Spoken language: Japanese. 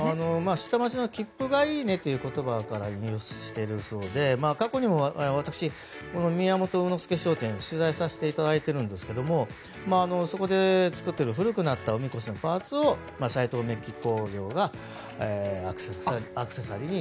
下町の気風がいいねという言葉からだそうで過去にも私、宮本卯之助商店を取材させていただいていますがそこで作っている古くなったおみこしのパーツを斎藤鍍金工場がアクセサリーにと。